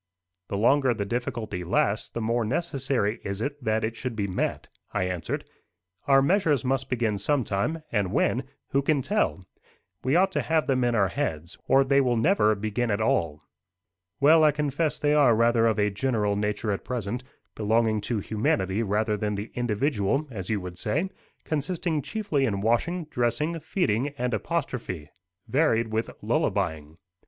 "The longer the difficulty lasts, the more necessary is it that it should be met," I answered. "Our measures must begin sometime, and when, who can tell? We ought to have them in our heads, or they will never begin at all." "Well, I confess they are rather of a general nature at present belonging to humanity rather than the individual, as you would say consisting chiefly in washing, dressing, feeding, and apostrophe, varied with lullabying.